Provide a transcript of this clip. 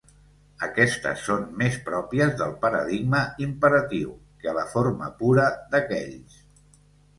Aquestes són més pròpies del paradigma imperatiu que a la forma pura d'aquells.